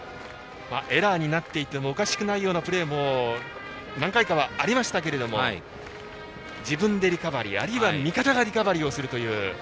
エラーになっていてもおかしくないようなプレーも何回かはありましたけれども自分でリカバリーあるいは味方がリカバリーをするという。